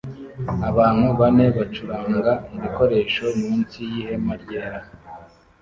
Abantu bane bacuranga ibikoresho munsi yihema ryera